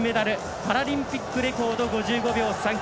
パラリンピックレコード５５秒３９。